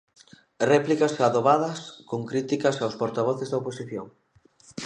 Réplicas adobadas con críticas aos portavoces da oposición.